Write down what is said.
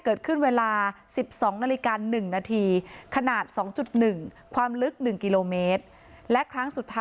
เกิดขึ้นเวลา๑๒นาฬิกา๑นาทีขนาด๒๑ความลึก๑กิโลเมตรและครั้งสุดท้าย